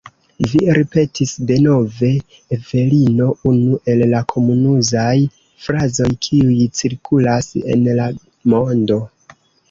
Vi ripetis denove, Evelino, unu el la komunuzaj frazoj, kiuj cirkulas en la mondo.